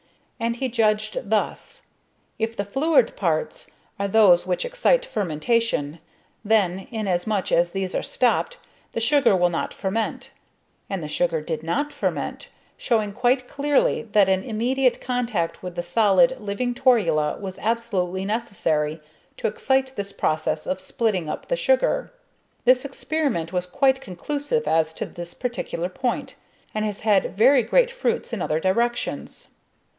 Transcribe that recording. And he judged thus: if the fluid parts are those which excite fermentation, then, inasmuch as these are stopped, the sugar will not ferment; and the sugar did not ferment, showing quite clearly, that an immediate contact with the solid, living torula was absolutely necessary to excite this process of splitting up of the sugar. This experiment was quite conclusive as to this particular point, and has had very great fruits in other directions.